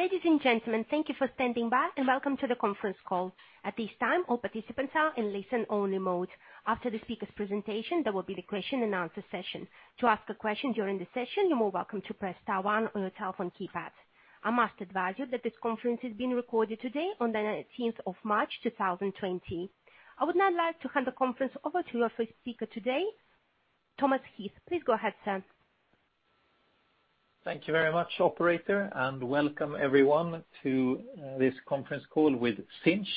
Ladies and gentlemen, thank you for standing by, and welcome to the conference call. At this time, all participants are in listen-only mode. After the speakers' presentation, there will be the question-and-answer session. To ask a question during the session, you're more welcome to press star one on your telephone keypad. I must advise you that this conference is being recorded today on the 19th of March, 2020. I would now like to hand the conference over to our first speaker today, Thomas Heath. Please go ahead, sir. Thank you very much, operator, and welcome everyone to this conference call with Sinch,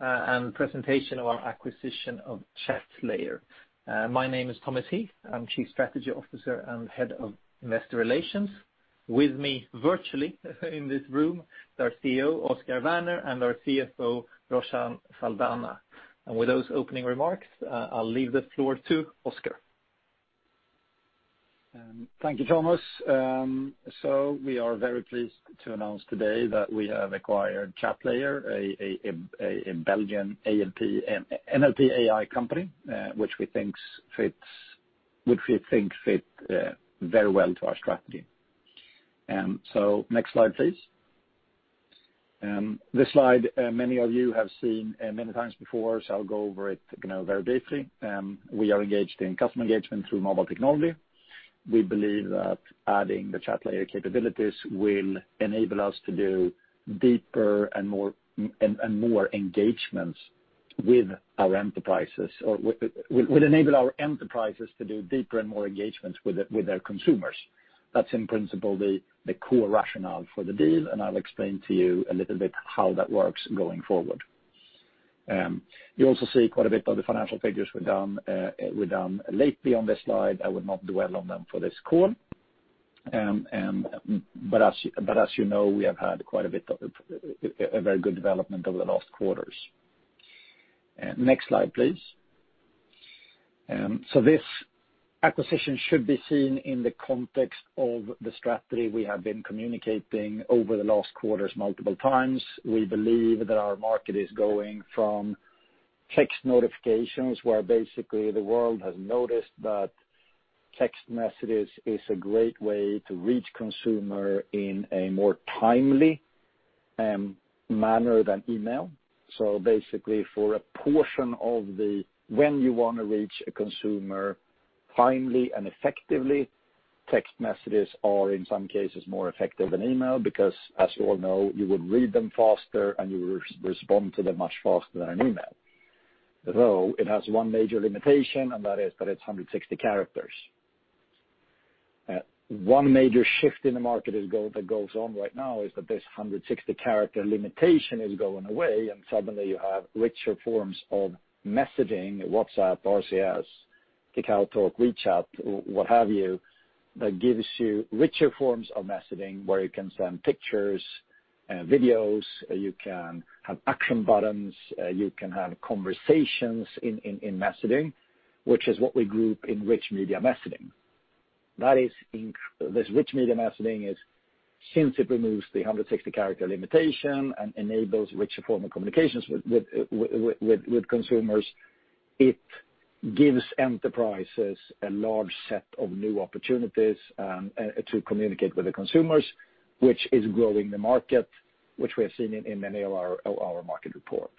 and presentation of our acquisition of Chatlayer. My name is Thomas Heath. I'm Chief Strategy Officer and Head of Investor Relations. With me virtually in this room are our CEO, Oscar Werner, and our CFO, Roshan Saldanha. With those opening remarks, I'll leave the floor to Oscar. Thank you, Thomas. We are very pleased to announce today that we have acquired Chatlayer, a Belgian NLP AI company, which we think fits very well to our strategy. Next slide, please. This slide, many of you have seen many times before, so I will go over it very briefly. We are engaged in customer engagement through mobile technology. We believe that adding the Chatlayer capabilities will enable us to do deeper and more engagements with our enterprises, or will enable our enterprises to do deeper and more engagements with their consumers. That's in principle the core rationale for the deal, and I will explain to you a little bit how that works going forward. You also see quite a bit of the financial figures we've done lately on this slide. I will not dwell on them for this call. As you know, we have had quite a bit of a very good development over the last quarters. Next slide, please. This acquisition should be seen in the context of the strategy we have been communicating over the last quarters multiple times. We believe that our market is going from text notifications, where basically the world has noticed that text messages is a great way to reach consumer in a more timely manner than email. Basically, for a portion of when you want to reach a consumer timely and effectively, text messages are in some cases more effective than email because, as we all know, you would read them faster and you respond to them much faster than an email. Though, it has one major limitation, and that is that it's 160 characters. One major shift in the market that goes on right now is that this 160-character limitation is going away, and suddenly you have richer forms of messaging, WhatsApp, RCS, KakaoTalk, WeChat, what have you, that gives you richer forms of messaging, where you can send pictures, videos, you can have action buttons, you can have conversations in messaging, which is what we group in rich media messaging. This rich media messaging is, since it removes the 160-character limitation and enables richer form of communications with consumers, it gives enterprises a large set of new opportunities to communicate with the consumers, which is growing the market, which we have seen in many of our market reports.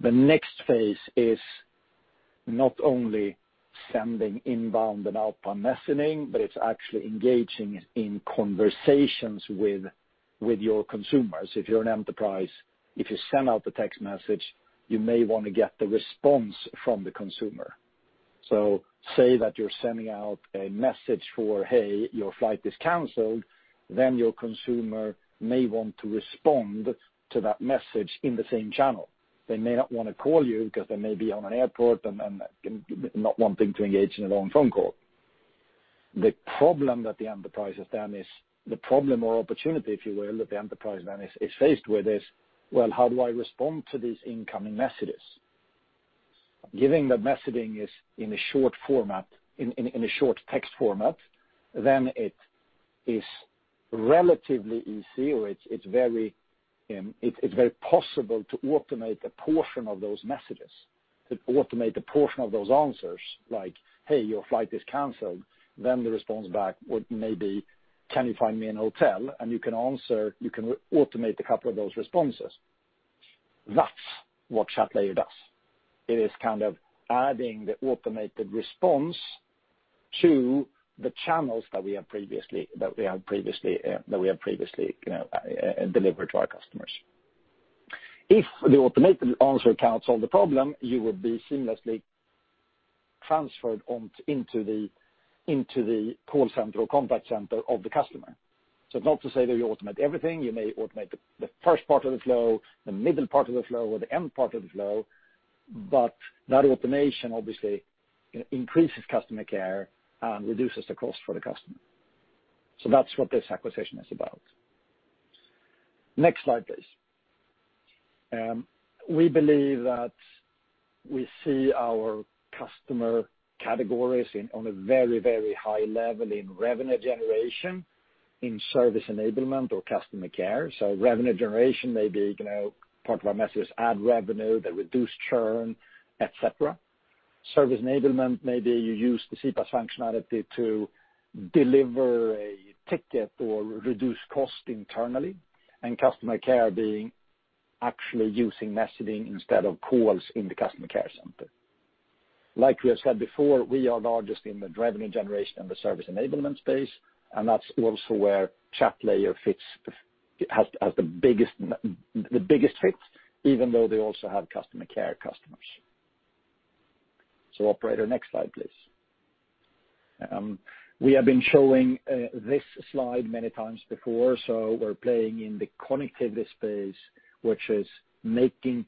The next phase is not only sending inbound and outbound messaging, but it's actually engaging in conversations with your consumers. If you're an enterprise, if you send out the text message, you may want to get the response from the consumer. Say that you're sending out a message for, "Hey, your flight is canceled." Your consumer may want to respond to that message in the same channel. They may not want to call you because they may be on an airport and not wanting to engage in a long phone call. The problem or opportunity, if you will, that the enterprise then is faced with is, well, how do I respond to these incoming messages? Given that messaging is in a short text format, it is relatively easy, or it's very possible to automate a portion of those messages. To automate a portion of those answers, like, "Hey, your flight is canceled." The response back would maybe, "Can you find me an hotel?" You can automate a couple of those responses. That's what Chatlayer does. It is kind of adding the automated response to the channels that we have previously delivered to our customers. If the automated answer can't solve the problem, you would be seamlessly transferred into the call center or contact center of the customer. Not to say that you automate everything. You may automate the first part of the flow, the middle part of the flow or the end part of the flow, but that automation obviously increases customer care and reduces the cost for the customer. That's what this acquisition is about. Next slide, please. We believe that we see our customer categories on a very high level in revenue generation, in service enablement or customer care. Revenue generation may be, part of our message is add revenue that reduce churn, et cetera. Service enablement, maybe you use the CPaaS functionality to deliver a ticket or reduce cost internally, and customer care being actually using messaging instead of calls in the customer care center. Like we have said before, we are largest in the revenue generation and the service enablement space, and that's also where Chatlayer has the biggest fit, even though they also have customer care customers. Operator, next slide, please. We have been showing this slide many times before. We're playing in the connectivity space, which is making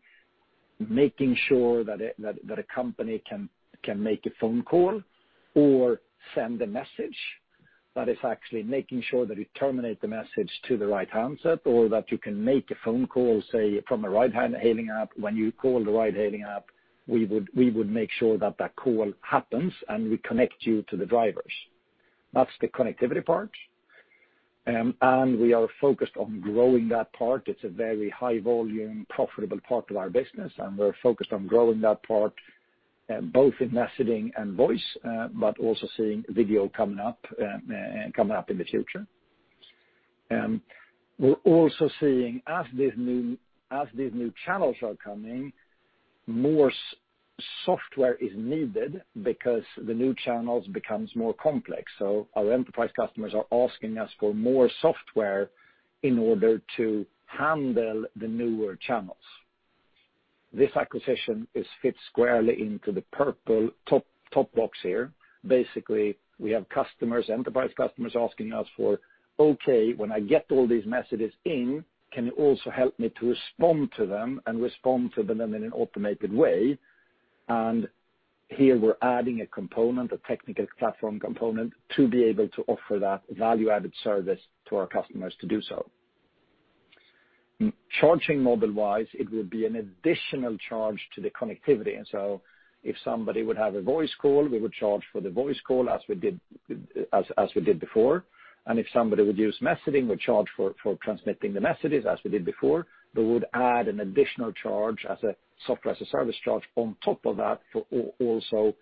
sure that a company can make a phone call or send a message, that is actually making sure that you terminate the message to the right handset or that you can make a phone call, say, from a ride-hailing app. When you call the ride-hailing app, we would make sure that call happens, and we connect you to the drivers. That's the connectivity part. We are focused on growing that part. It's a very high-volume, profitable part of our business, and we're focused on growing that part, both in messaging and voice, but also seeing video coming up in the future. We're also seeing as these new channels are coming, more software is needed because the new channels becomes more complex. Our enterprise customers are asking us for more software in order to handle the newer channels. This acquisition fits squarely into the purple top box here. We have enterprise customers asking us for, Okay, when I get all these messages in, can you also help me to respond to them and respond to them in an automated way? Here we're adding a component, a technical platform component, to be able to offer that value-added service to our customers to do so. Charging mobile-wise, it will be an additional charge to the connectivity. If somebody would have a voice call, we would charge for the voice call as we did before. If somebody would use messaging, we charge for transmitting the messages as we did before. We would add an additional charge as a software as a service charge on top of that for also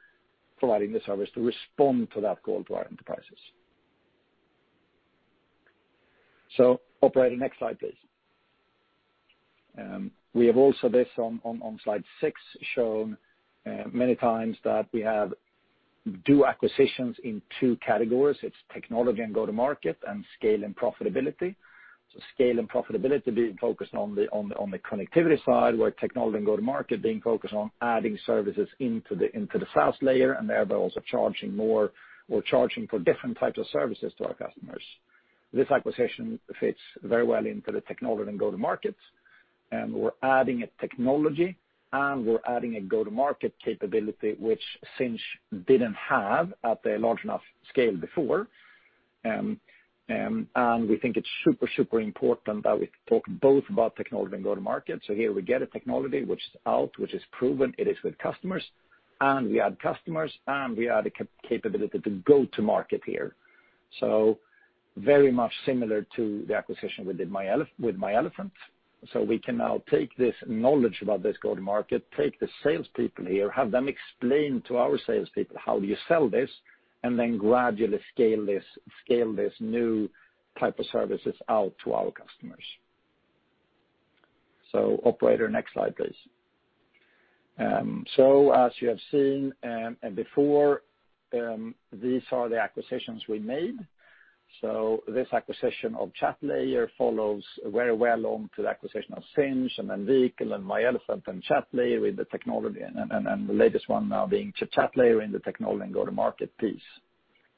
providing the service to respond to that call to our enterprises. Operator, next slide, please. We have also this on slide six shown many times that we do acquisitions in two categories. It's technology and go to market, and scale and profitability. Scale and profitability being focused on the connectivity side. Where technology and go to market being focused on adding services into the SaaS layer and thereby also charging more or charging for different types of services to our customers. This acquisition fits very well into the technology and go to market, and we're adding a technology and we're adding a go-to-market capability, which Sinch didn't have at a large enough scale before. We think it's super important that we talk both about technology and go to market. Here we get a technology which is out, which is proven, it is with customers, and we add customers, and we add a capability to go to market here. Very much similar to the acquisition with myElefant. We can now take this knowledge about this go to market, take the salespeople here, have them explain to our salespeople how you sell this, and then gradually scale this new type of services out to our customers. Operator, next slide, please. As you have seen before, these are the acquisitions we made. This acquisition of Chatlayer follows very well onto the acquisition of Sinch and then Vehicle and myElefant and Chatlayer with the technology, and the latest one now being Chatlayer in the technology and go to market piece.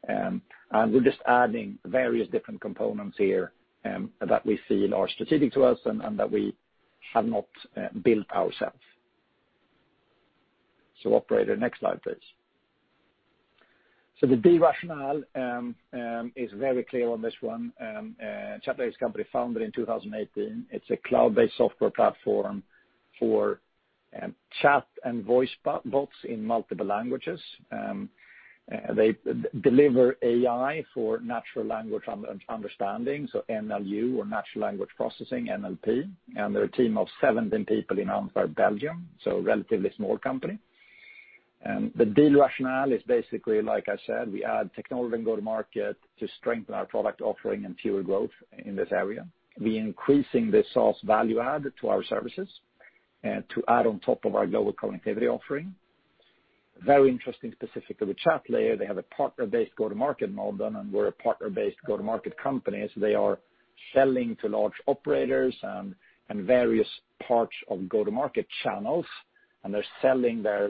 We're just adding various different components here that we feel are strategic to us and that we have not built ourselves. Operator, next slide, please. The deal rationale is very clear on this one. Chatlayer is a company founded in 2018. It's a cloud-based software platform for chat and voice bots in multiple languages. They deliver AI for natural language understanding, NLU or natural language processing, NLP, and they're a team of 17 people in Antwerp, Belgium, relatively small company. The deal rationale is basically, like I said, we add technology and go to market to strengthen our product offering and fuel growth in this area. We are increasing the source value add to our services and to add on top of our global connectivity offering. Very interesting, specifically Chatlayer, they have a partner-based go-to-market model, and we're a partner-based go-to-market company. They are selling to large operators and various parts of go-to-market channels, and they're selling their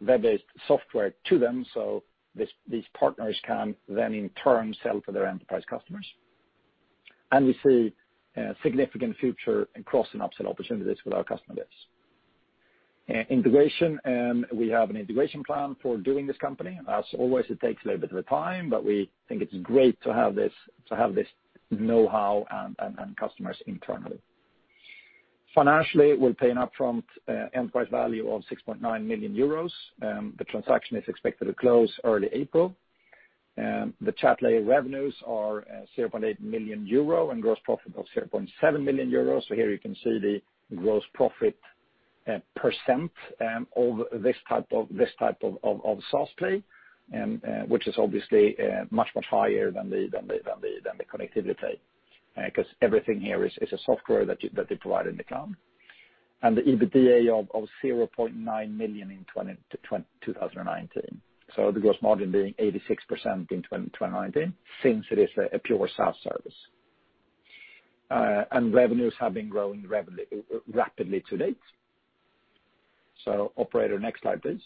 web-based software to them. These partners can then in turn sell to their enterprise customers. We see significant future cross and upsell opportunities with our customer base. Integration, we have an integration plan for doing this company. As always, it takes a little bit of time, but we think it's great to have this knowhow and customers internally. Financially, we'll pay an upfront enterprise value of 6.9 million euros. The transaction is expected to close early April. The Chatlayer revenues are 0.8 million euro and gross profit of 0.7 million euro. Here you can see the gross profit percent of this type of SaaS play, which is obviously much higher than the connectivity play, because everything here is a software that they provide in the cloud. The EBITDA of 0.9 million in 2019. The gross margin being 86% in 2019, since it is a pure SaaS service. Revenues have been growing rapidly to date. Operator, next slide, please.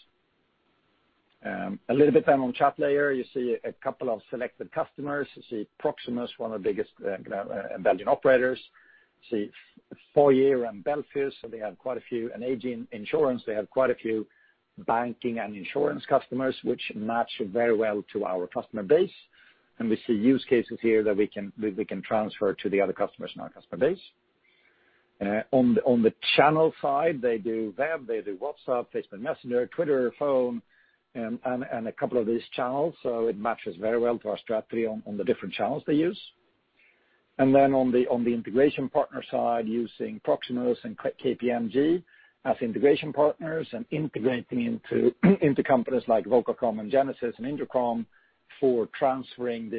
A little bit then on Chatlayer, you see a couple of selected customers. You see Proximus, one of the biggest Belgian operators. You see Foyer and Belfius, so they have quite a few, and AG Insurance, they have quite a few banking and insurance customers, which match very well to our customer base. We see use cases here that we can transfer to the other customers in our customer base. On the channel side, they do web, they do WhatsApp, Facebook Messenger, Twitter, phone, and a couple of these channels. It matches very well to our strategy on the different channels they use. On the integration partner side, using Proximus and KPMG as integration partners and integrating into companies like Vocalcom and Genesys and Intercom for transferring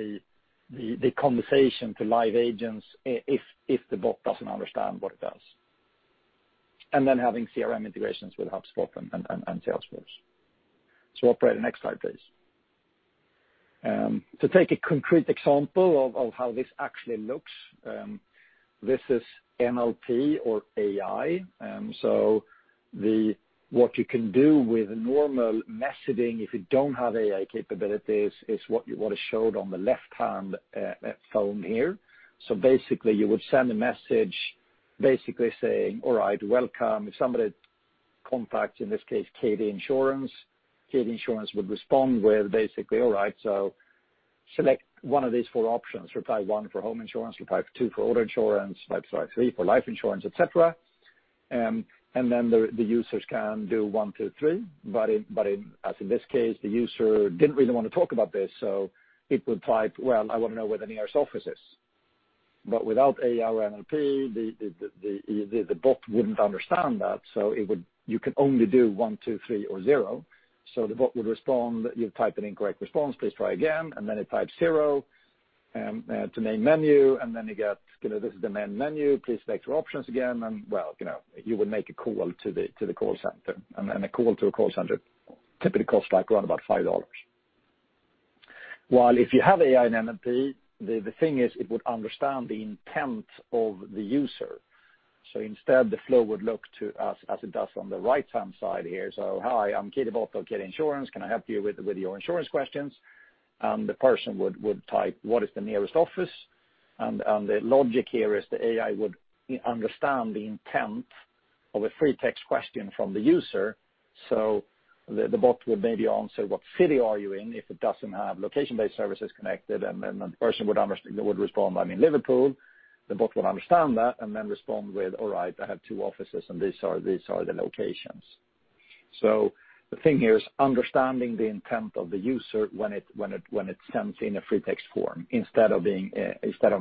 the conversation to live agents, if the bot doesn't understand what it does. Having CRM integrations with HubSpot and Salesforce. Operator, next slide, please. To take a concrete example of how this actually looks. This is NLP or AI. What you can do with normal messaging, if you don't have AI capabilities, is what is showed on the left-hand phone here. Basically, you would send a message basically saying, all right, welcome. If somebody contacts, in this case, KD Insurance, KD Insurance would respond with basically, all right, so select one of these four options. Reply one for home insurance, reply two for auto insurance, reply three for life insurance, et cetera. Then the users can do one to three. As in this case, the user didn't really want to talk about this, so it would type, "Well, I want to know where the nearest office is." Without AI or NLP, the bot wouldn't understand that, so you can only do one, two, three or zero. The bot would respond, "You've typed an incorrect response. Please try again." Then it types zero to main menu, and then you get, this is the main menu. Please select your options again, and, well, you would make a call to the call center. A call to a call center typically costs around about $5. While if you have AI and NLP, the thing is, it would understand the intent of the user. Instead, the flow would look to, as it does on the right-hand side here. "Hi, I'm KD bot for KD Insurance. Can I help you with your insurance questions?" The person would type, "What is the nearest office?" The logic here is the AI would understand the intent of a free text question from the user. The bot would maybe answer, "What city are you in?" If it doesn't have location-based services connected, and the person would respond, "I'm in Liverpool." The bot would understand that and then respond with, "All right, I have two offices, and these are the locations." The thing here is understanding the intent of the user when it's sent in a free text form, instead of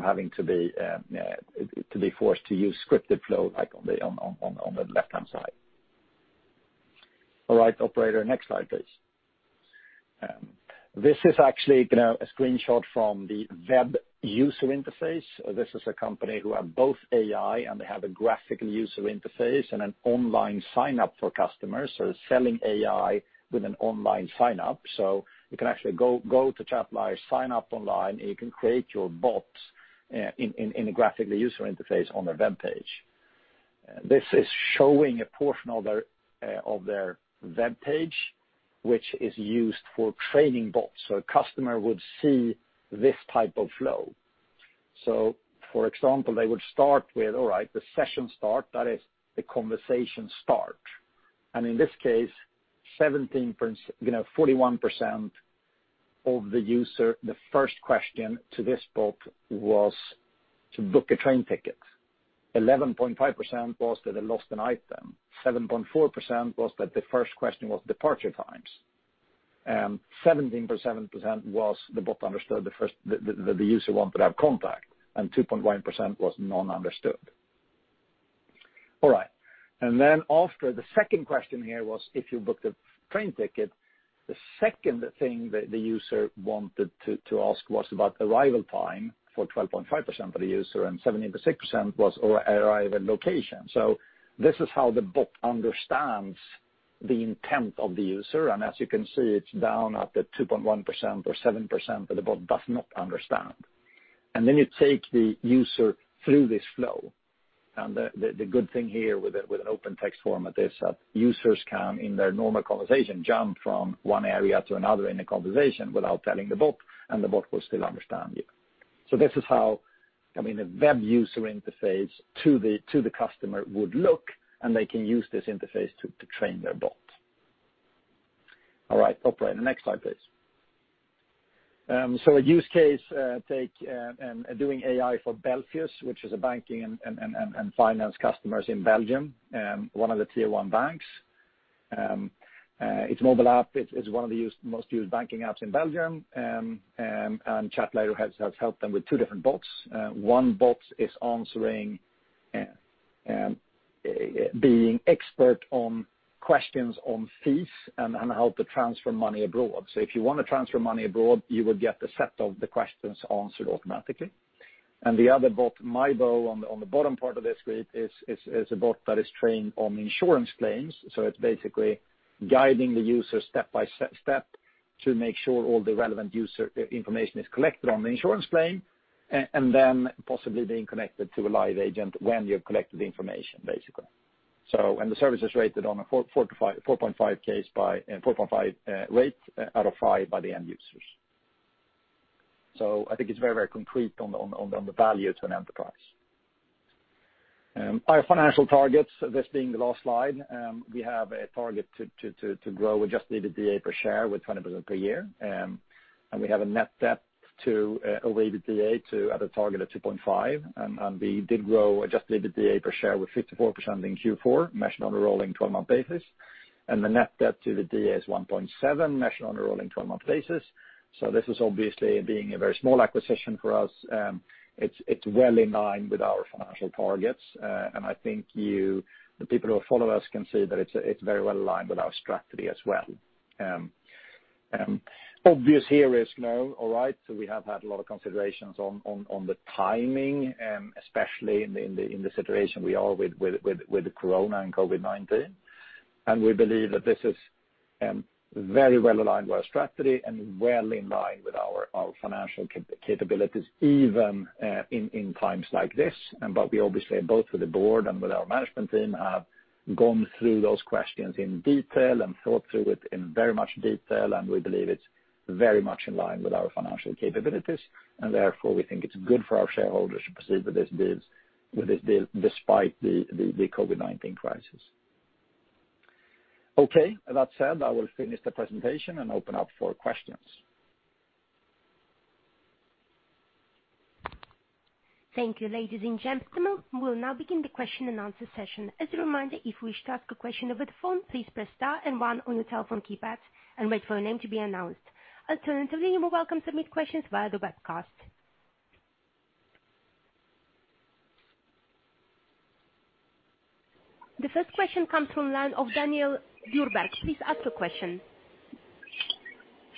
having to be forced to use scripted flow like on the left-hand side. All right, operator, next slide, please. This is actually a screenshot from the web user interface. This is a company who have both AI and they have a graphical user interface and an online sign-up for customers. Selling AI with an online sign-up. You can actually go to Chatlayer, sign up online, and you can create your bots in a graphical user interface on their web page. This is showing a portion of their web page, which is used for training bots. A customer would see this type of flow. For example, they would start with, all right, the session start, that is the conversation start. In this case, 41% of the user, the first question to this bot was to book a train ticket. 11.5% was that they lost an item. 7.4% was that the first question was departure times. 17.7% was the bot understood that the user wanted to have contact, and 2.1% was not understood. All right. After the second question here was if you book the train ticket, the second thing that the user wanted to ask was about arrival time for 12.5% of the user, and 17.6% was arrival location. This is how the bot understands the intent of the user. As you can see, it's down at the 2.1% or 7% that the bot does not understand. Then you take the user through this flow. The good thing here with an open text format is that users can, in their normal conversation, jump from one area to another in a conversation without telling the bot, and the bot will still understand you. This is how, I mean, a web user interface to the customer would look, and they can use this interface to train their bot. All right. Operator, the next slide, please. A use case, doing AI for Belfius, which is a banking and finance customer in Belgium, one of the Tier 1 banks. Its mobile app is one of the most used banking apps in Belgium, and Chatlayer has helped them with two different bots. One bot is being expert on questions on fees and how to transfer money abroad. If you want to transfer money abroad, you will get the set of the questions answered automatically. The other bot, Mibo, on the bottom part of the screen, is a bot that is trained on insurance claims. It's basically guiding the user step by step to make sure all the relevant user information is collected on the insurance claim, and then possibly being connected to a live agent when you've collected the information, basically. The service is rated on a 4.5 rate out of five by the end users. I think it's very concrete on the value to an enterprise. Our financial targets, this being the last slide, we have a target to grow adjusted EBITDA per share with 20% per year. We have a net debt to adjusted EBITDA at a target of 2.5x, and we did grow adjusted EBITDA per share with 54% in Q4, measured on a rolling 12-month basis. The net debt to EBITDA is 1.7x, measured on a rolling 12-month basis. This is obviously being a very small acquisition for us. It's well in line with our financial targets. I think the people who follow us can see that it's very well aligned with our strategy as well. We have had a lot of considerations on the timing, especially in the situation we are with the corona and COVID-19. We believe that this is very well aligned with our strategy and well in line with our financial capabilities, even in times like this. We obviously, both with the board and with our management team, have gone through those questions in detail and thought through it in very much detail, and we believe it's very much in line with our financial capabilities, and therefore, we think it's good for our shareholders to proceed with this deal despite the COVID-19 crisis. That said, I will finish the presentation and open up for questions. Thank you, ladies and gentlemen. We'll now begin the question-and-answer session. As a reminder, if you wish to ask a question over the phone, please press star and one on your telephone keypads and wait for your name to be announced. Alternatively, you are welcome to submit questions via the webcast. The first question comes from the line of Daniel Djurberg. Please ask your question.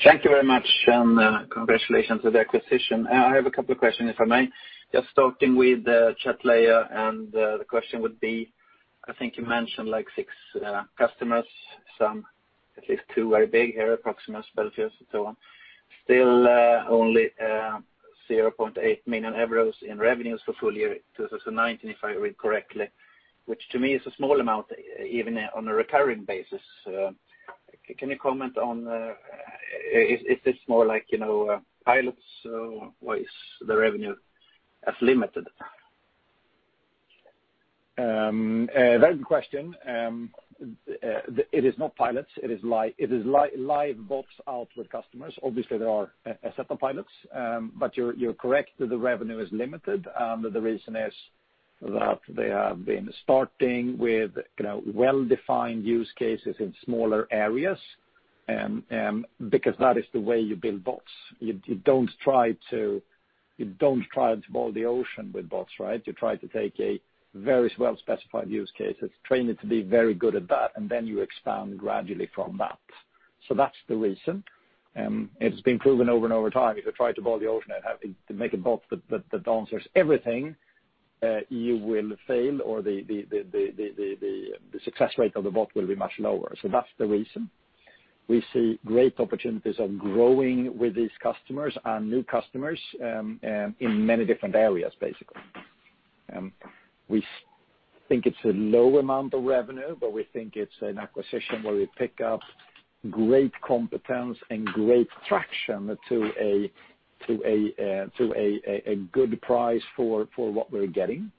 Thank you very much. Congratulations on the acquisition. I have a couple of questions, if I may. Just starting with Chatlayer, and the question would be, I think you mentioned six customers, at least two very big here, Proximus, Belfius, and so on. Still only 0.8 million euros in revenues for full year 2019, if I read correctly, which to me is a small amount, even on a recurring basis. Can you comment on, is this more like pilots? Why is the revenue as limited? A very good question. It is not pilots. It is live bots out with customers. Obviously, there are a set of pilots, but you're correct that the revenue is limited, and the reason is that they have been starting with well-defined use cases in smaller areas, because that is the way you build bots. You don't try to boil the ocean with bots, right? You try to take a very well-specified use case, train it to be very good at that, and then you expand gradually from that. That's the reason. It has been proven over and over time, if you try to boil the ocean and make a bot that answers everything, you will fail, or the success rate of the bot will be much lower. That's the reason. We see great opportunities of growing with these customers and new customers in many different areas, basically. We think it's a low amount of revenue, but we think it's an acquisition where we pick up great competence and great traction to a good price for what we're getting.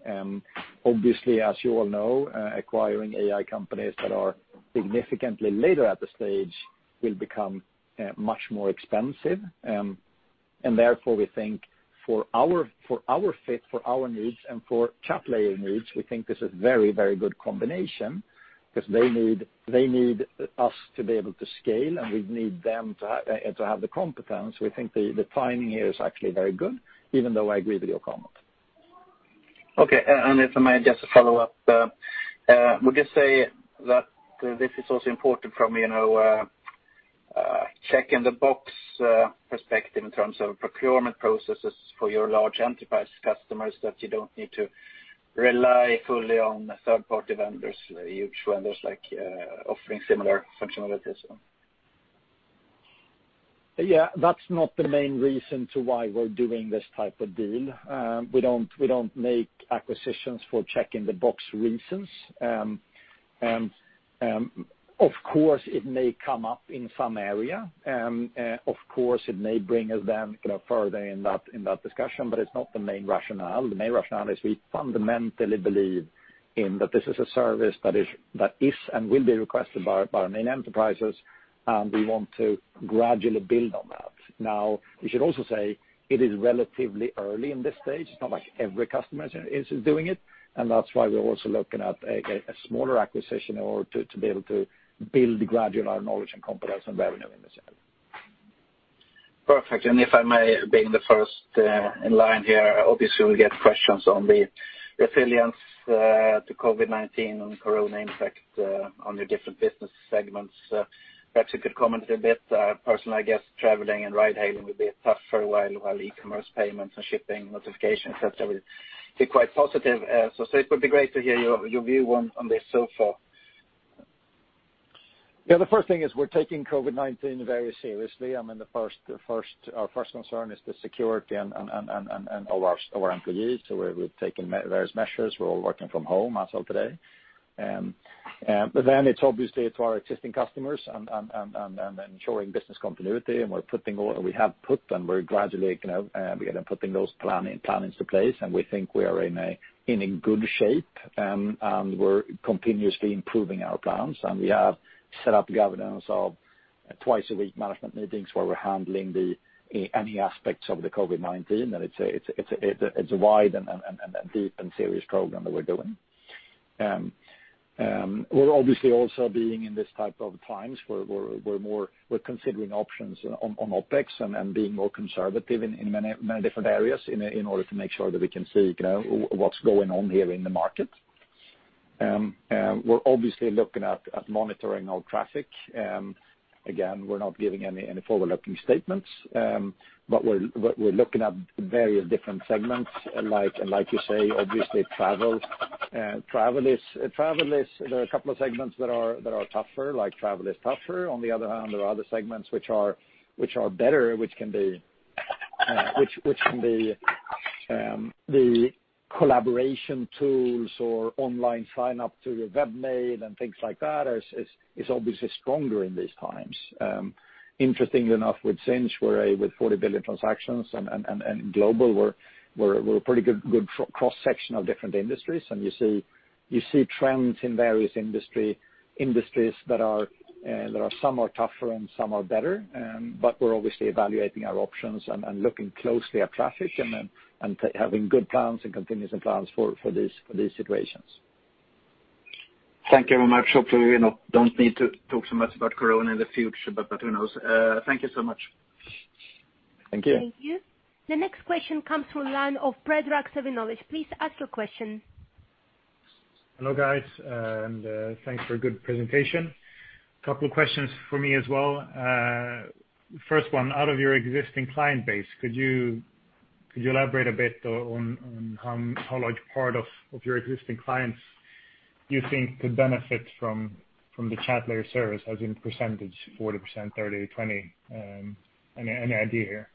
Obviously, as you all know, acquiring AI companies that are significantly later at the stage will become much more expensive. Therefore, we think for our fit, for our needs, and for Chatlayer needs, we think this is a very good combination, because they need us to be able to scale, and we need them to have the competence. We think the timing here is actually very good, even though I agree with your comment. Okay. If I may just follow up, would you say that this is also important from a check-in-the-box perspective in terms of procurement processes for your large enterprise customers that you don't need to rely fully on third-party vendors, huge vendors offering similar functionalities? Yeah. That's not the main reason to why we're doing this type of deal. We don't make acquisitions for check-in-the-box reasons. Of course it may come up in some area, and of course it may bring us then further in that discussion, but it's not the main rationale. The main rationale is we fundamentally believe in that this is a service that is, and will be requested by our main enterprises, and we want to gradually build on that. We should also say it is relatively early in this stage. It's not like every customer is doing it, and that's why we're also looking at a smaller acquisition or to be able to build gradually our knowledge and competence and revenue in this area. Perfect. If I may be the first in line here, obviously we'll get questions on the resilience to COVID-19, on corona impact on your different business segments. Perhaps you could comment a bit. Personally, I guess traveling and ride hailing will be tough for a while e-commerce payments and shipping notifications, et cetera, will be quite positive. It would be great to hear your view on this so far. The first thing is we're taking COVID-19 very seriously. Our first concern is the security and our employees. We've taken various measures. We're all working from home as of today. Then it's obviously to our existing customers and ensuring business continuity, and we have put and we're gradually putting those plans into place, and we think we are in a good shape, and we're continuously improving our plans. We have set up governance of twice a week management meetings where we're handling any aspects of the COVID-19, and it's a wide and deep and serious program that we're doing. We're obviously also being in this type of times, we're considering options on OpEx and being more conservative in many different areas in order to make sure that we can see what's going on here in the market. We're obviously looking at monitoring our traffic. Again, we're not giving any forward-looking statements, but we're looking at various different segments like you say, obviously travel. There are a couple of segments that are tougher, like travel is tougher. On the other hand, there are other segments which are better, which can be the collaboration tools or online sign-up to your web mail and things like that, is obviously stronger in these times. Interestingly enough, with Sinch, with 40 billion transactions and global, we're a pretty good cross-section of different industries, and you see trends in various industries that some are tougher and some are better. We're obviously evaluating our options and looking closely at traffic, and having good plans and continuous plans for these situations. Thank you very much. Hopefully, we don't need to talk so much about corona in the future, but who knows? Thank you so much. Thank you. Thank you. The next question comes from the line of Predrag Savinovic. Please ask your question. Hello, guys, and thanks for a good presentation. Couple of questions from me as well. First one, out of your existing client base, could you elaborate a bit on how large part of your existing clients you think could benefit from the Chatlayer service, as in percentage, 40%, 30%, 20%? Any idea here?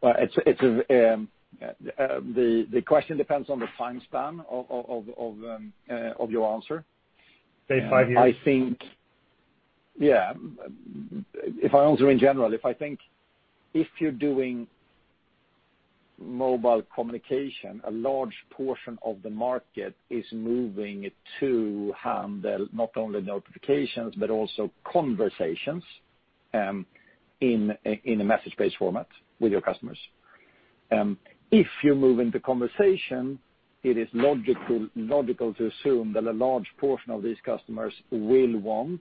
The question depends on the time span of your answer. Say five years. If I answer in general, if you're doing mobile communication, a large portion of the market is moving to handle not only notifications, but also conversations in a message-based format with your customers. If you move into conversation, it is logical to assume that a large portion of these customers will want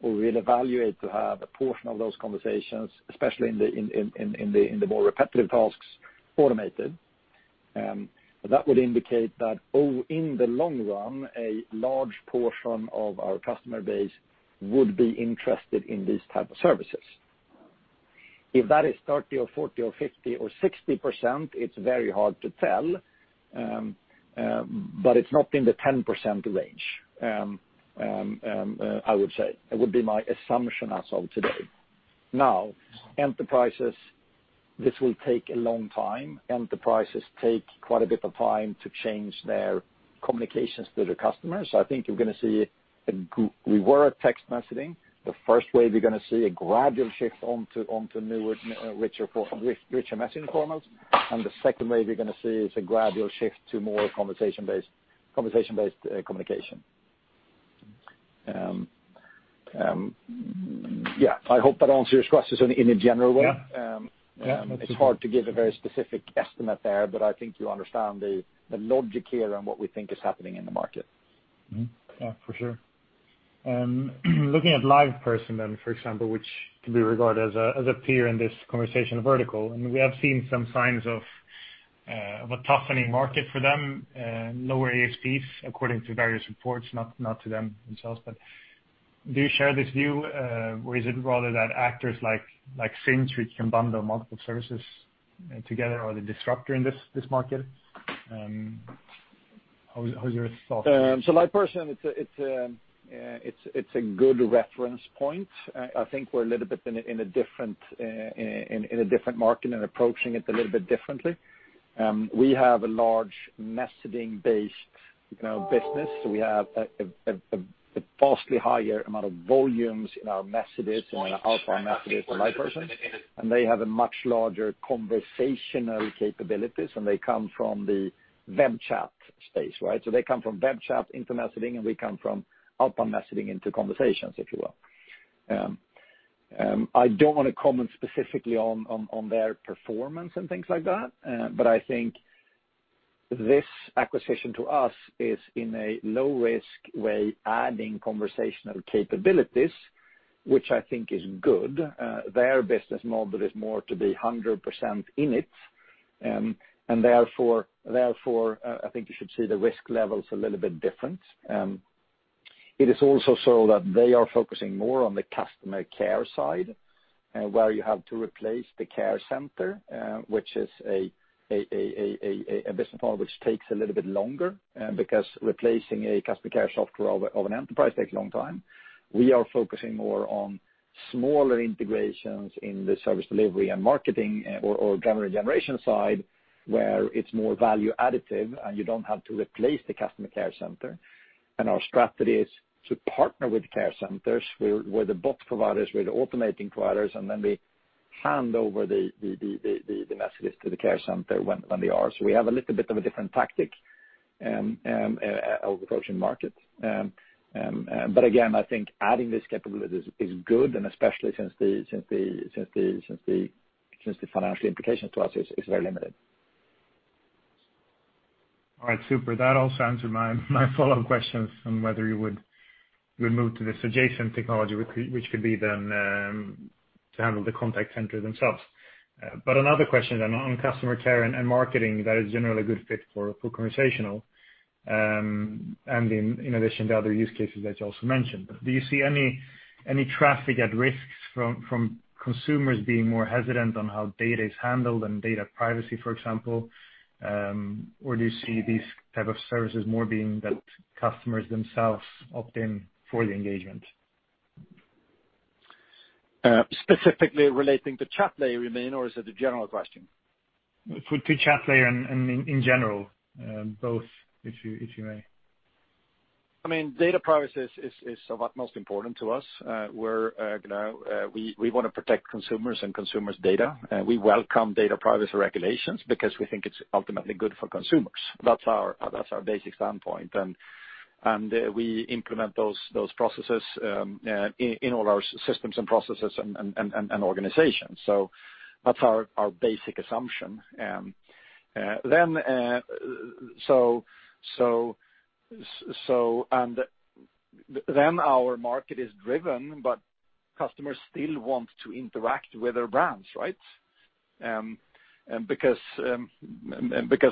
or will evaluate to have a portion of those conversations, especially in the more repetitive tasks, automated. That would indicate that in the long run, a large portion of our customer base would be interested in these type of services. If that is 30% or 40% or 50% or 60%, it's very hard to tell, it's not in the 10% range, I would say. It would be my assumption as of today. Enterprises, this will take a long time. Enterprises take quite a bit of time to change their communications to their customers. I think you're going to see we were at text messaging. The first wave, you're going to see a gradual shift onto newer, richer messaging formats. The second wave you're going to see is a gradual shift to more conversation-based communication. I hope that answers your questions in a general way. Yeah. It's hard to give a very specific estimate there, but I think you understand the logic here and what we think is happening in the market. Yeah, for sure. Looking at LivePerson then, for example, which can be regarded as a peer in this conversation vertical, and we have seen some signs of a toughening market for them, lower ASPs according to various reports, not to them themselves, but do you share this view? Is it rather that actors like Sinch, which can bundle multiple services together, are the disruptor in this market? How is your thoughts there? LivePerson, it's a good reference point. I think we're a little bit in a different market and approaching it a little bit differently. We have a large messaging base. In our business, we have a vastly higher amount of volumes in our messages and our outbound messaging to LivePerson, and they have much larger conversational capabilities, and they come from the web chat space. They come from web chat into messaging, and we come from outbound messaging into conversations, if you will. I don't want to comment specifically on their performance and things like that. I think this acquisition to us is, in a low-risk way, adding conversational capabilities, which I think is good. Their business model is more to be 100% in it. Therefore, I think you should see the risk level is a little bit different. It is also so that they are focusing more on the customer care side, where you have to replace the care center, which is a business model which takes a little bit longer, because replacing a customer care software of an enterprise takes a long time. We are focusing more on smaller integrations in the service delivery and marketing or lead generation side, where it's more value additive, and you don't have to replace the customer care center. Our strategy is to partner with care centers, with the bot providers, with automating providers, and then we hand over the messages to the care center when they are. We have a little bit of a different tactic of approaching market. Again, I think adding this capability is good, and especially since the financial implications to us is very limited. All right. Super. That all answered my follow-up questions on whether you would move to this adjacent technology, which could be then to handle the contact center themselves. Another question on customer care and marketing, that is generally a good fit for conversational, and in addition to other use cases that you also mentioned. Do you see any traffic at risk from consumers being more hesitant on how data is handled and data privacy, for example? Do you see these type of services more being that customers themselves opt in for the engagement? Specifically relating to Chatlayer, you mean? Or is it a general question? To Chatlayer and in general, both, if you may. Data privacy is of utmost importance to us. We want to protect consumers and consumers' data. We welcome data privacy regulations because we think it's ultimately good for consumers. That's our basic standpoint. We implement those processes in all our systems and processes and organizations. That's our basic assumption. Our market is driven, but customers still want to interact with their brands, because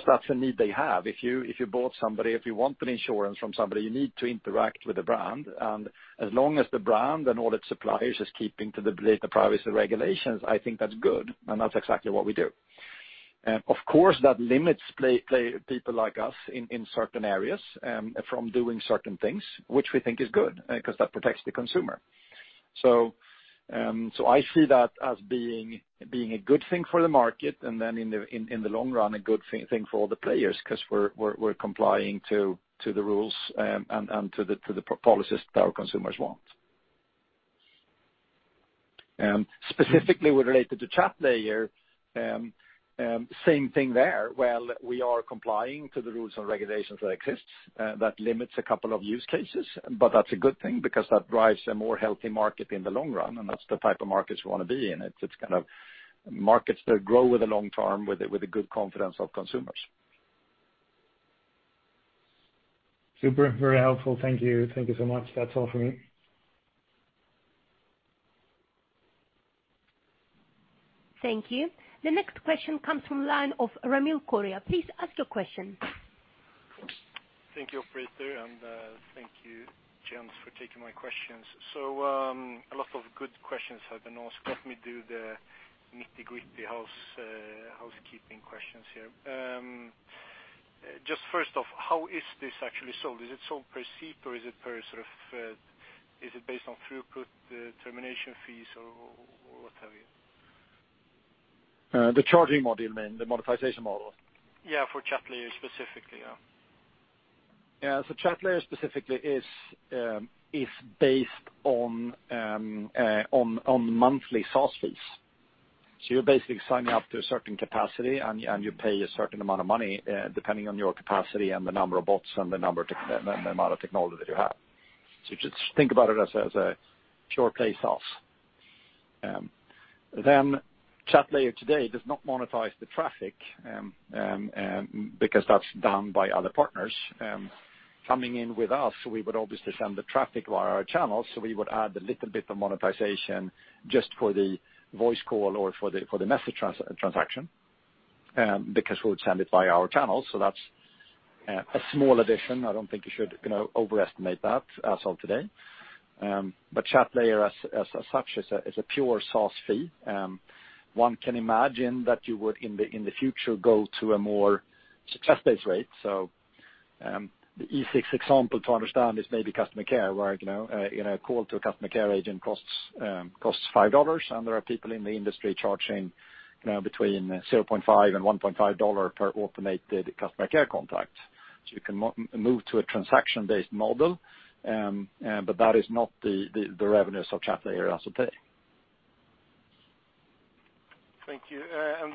that's a need they have. If you bought somebody, if you want an insurance from somebody, you need to interact with the brand. As long as the brand and all its suppliers are keeping to the privacy regulations, I think that's good, and that's exactly what we do. Of course, that limits people like us in certain areas from doing certain things, which we think is good, because that protects the consumer. I see that as being a good thing for the market, and then in the long run, a good thing for all the players, because we're complying to the rules and to the policies that our consumers want. Specifically related to Chatlayer, same thing there. While we are complying to the rules and regulations that exist, that limits a couple of use cases. That's a good thing, because that drives a more healthy market in the long run, and that's the type of markets we want to be in. It's markets that grow with the long term with the good confidence of consumers. Super. Very helpful. Thank you. Thank you so much. That's all from me. Thank you. The next question comes from the line of Ramil Koria. Please ask your question. Thank you, operator, and thank you, gents, for taking my questions. A lot of good questions have been asked. Let me do the nitty-gritty housekeeping questions here. Just first off, how is this actually sold? Is it sold per seat, or is it based on throughput, termination fees, or what have you? The charging model, you mean, the monetization model? Yeah, for Chatlayer specifically. Yeah. Chatlayer specifically is based on monthly SaaS fees. You're basically signing up to a certain capacity, and you pay a certain amount of money, depending on your capacity and the number of bots and the amount of technology that you have. Just think about it as a pure-play SaaS. Chatlayer today does not monetize the traffic, because that's done by other partners. Coming in with us, we would obviously send the traffic via our channels, we would add a little bit of monetization just for the voice call or for the message transaction, because we would send it via our channels. That's a small addition. I don't think you should overestimate that as of today. Chatlayer as such is a pure SaaS fee. One can imagine that you would, in the future, go to a more success-based rate. The easy example to understand is maybe customer care, where a call to a customer care agent costs $5, and there are people in the industry charging between $0.5 and $1.5 per automated customer care contact. You can move to a transaction-based model. That is not the revenues of Chatlayer as of today. Thank you. I'd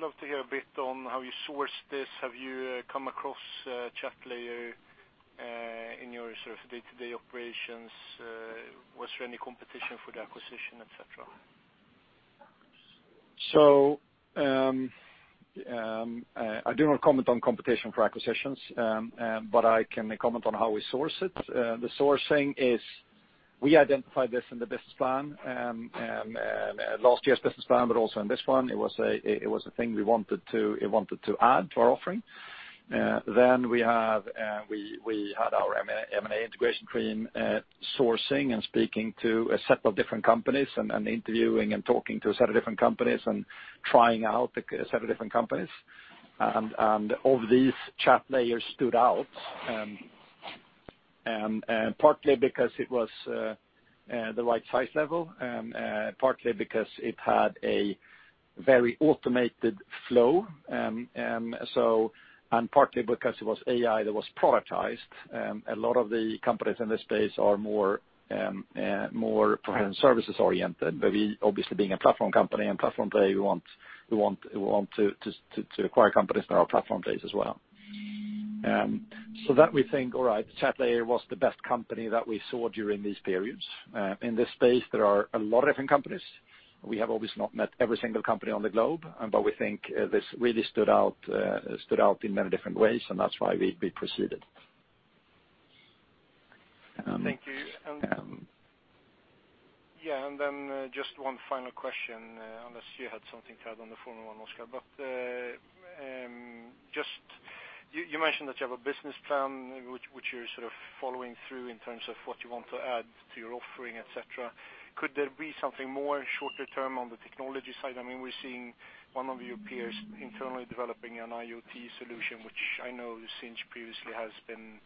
love to hear a bit on how you sourced this. Have you come across Chatlayer in your sort of day-to-day operations? Was there any competition for the acquisition, et cetera? I do not comment on competition for acquisitions, but I can comment on how we source it. The sourcing is, we identified this in the business plan, last year's business plan, but also in this one. It was a thing we wanted to add to our offering. We had our M&A integration team sourcing and speaking to a set of different companies, and interviewing and talking to a set of different companies, and trying out a set of different companies. Of these, Chatlayer stood out. Partly because it was the right size level, and partly because it had a very automated flow. Partly because it was AI that was productized. A lot of the companies in this space are more services-oriented. We, obviously being a platform company and platform play, we want to acquire companies that are platform-based as well. That we think, all right, Chatlayer was the best company that we saw during these periods. In this space, there are a lot of different companies, and we have obviously not met every single company on the globe. We think this really stood out in many different ways, and that's why we proceeded. Thank you. Yeah, just one final question. Unless you had something to add on the former one, Oscar. You mentioned that you have a business plan, which you're sort of following through in terms of what you want to add to your offering, et cetera. Could there be something more shorter term on the technology side? We're seeing one of your peers internally developing an IoT solution, which I know Sinch previously has been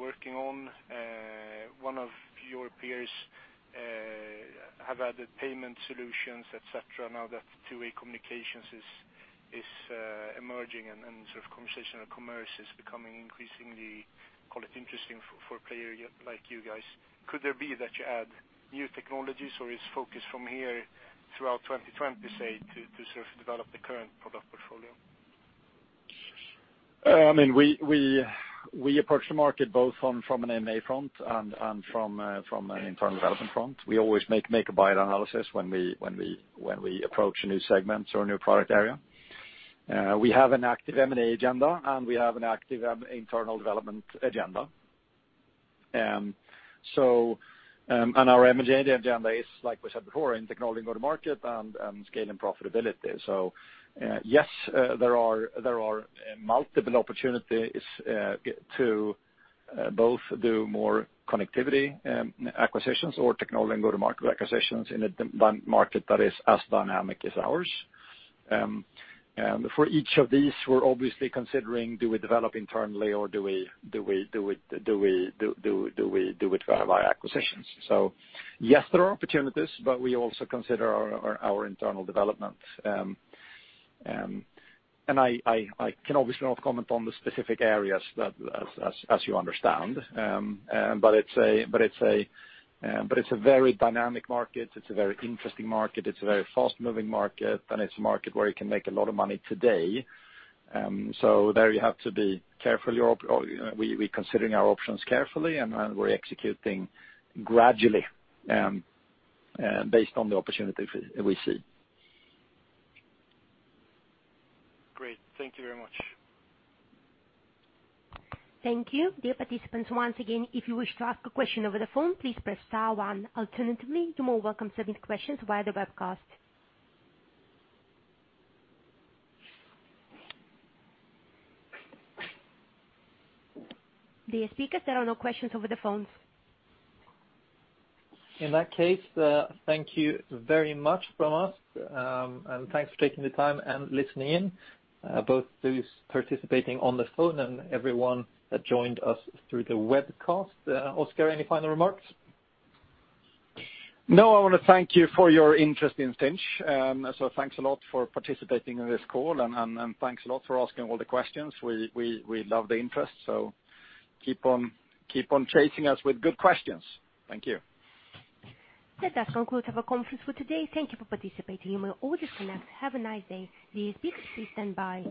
working on. One of your peers have added payment solutions, et cetera, now that two-way communications is emerging, and conversational commerce is becoming increasingly, call it interesting for a player like you guys. Could there be that you add new technologies, or is focus from here throughout 2020, say, to sort of develop the current product portfolio? We approach the market both from an M&A front and from an internal development front. We always make a buyer analysis when we approach a new segment or a new product area. We have an active M&A agenda, and we have an active internal development agenda. Our M&A agenda is, like we said before, in technology and go-to-market, and scale and profitability. Yes, there are multiple opportunities to both do more connectivity acquisitions or technology and go-to-market acquisitions in a market that is as dynamic as ours. For each of these, we're obviously considering, do we develop internally or do it via acquisitions? Yes, there are opportunities, but we also consider our internal development. I can obviously not comment on the specific areas as you understand. It's a very dynamic market. It's a very interesting market. It's a very fast-moving market, and it's a market where you can make a lot of money today. There, we're considering our options carefully, and we're executing gradually based on the opportunities we see. Great. Thank you very much. Thank you. Dear participants, once again, if you wish to ask a question over the phone, please press star one. Alternatively, you are more than welcome to submit questions via the webcast. Dear speakers, there are no questions over the phone. In that case, thank you very much from us, and thanks for taking the time and listening in, both those participating on the phone and everyone that joined us through the webcast. Oscar, any final remarks? No, I want to thank you for your interest in Sinch. Thanks a lot for participating in this call, and thanks a lot for asking all the questions. We love the interest. Keep on chasing us with good questions. Thank you. That concludes our conference for today. Thank you for participating. You may all disconnect. Have a nice day. The speakers, please stand by.